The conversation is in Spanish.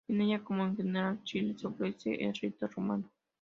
En ella, como en general Chile, se ofrece el rito romano.